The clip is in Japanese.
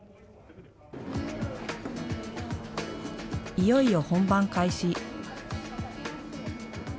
いよいよ本番開始。